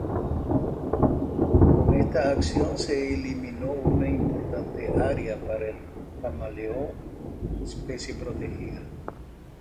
Con esta acción se eliminó una importante área para el camaleón, especie protegida.